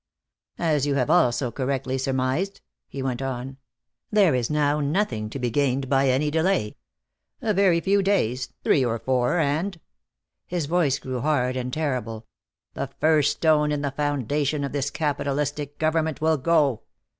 "As you have also correctly surmised," he went on, "there is now nothing to be gained by any delay. A very few days, three or four, and " His voice grew hard and terrible "the first stone in the foundation of this capitalistic government will go.